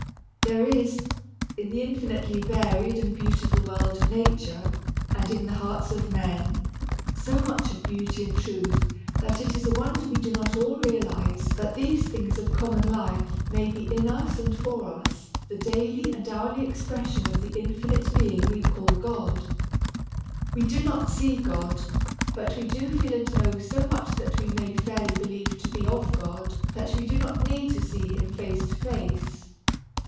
There is, in the infinitely varied and beautiful world of nature, and in the hearts of men, so much of beauty and truth that it is a wonder we do not all realize that these things of common life may be in us and for us the daily and hourly expression of the infinite being we call God. We do not see God, but we do feel and know so much that we may fairly believe to be of God that we do not need to see Him face to face.